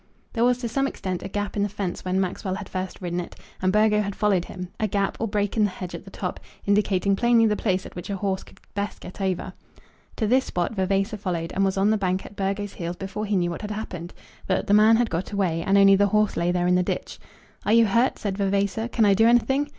There was to some extent a gap in the fence when Maxwell had first ridden it and Burgo had followed him; a gap, or break in the hedge at the top, indicating plainly the place at which a horse could best get over. To this spot Vavasor followed, and was on the bank at Burgo's heels before he knew what had happened. But the man had got away and only the horse lay there in the ditch. "Are you hurt?" said Vavasor; "can I do anything?"